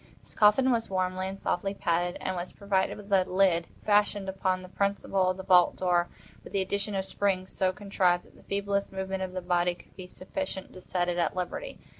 This coffin was warmly and softly padded, and was provided with a lid, fashioned upon the principle of the vault door, with the addition of springs so contrived that the feeblest movement of the body would be sufficient to set it at liberty.